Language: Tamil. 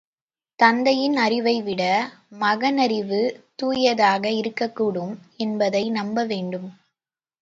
தந்தையின் அறிவைவிட மகனறிவு தூயதாக இருக்கக்கூடும் என்பதை நம்பவேண்டும்.